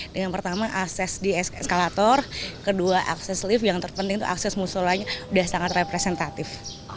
dengan pertama akses di eskalator kedua akses lift yang terpenting itu akses musolanya sudah sangat representatif